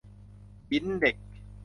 กินเด็ก